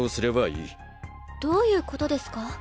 どういう事ですか？